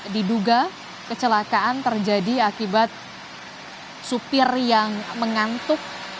diduga kecelakaan terjadi akibat supir yang mengantuk